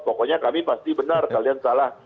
pokoknya kami pasti benar kalian salah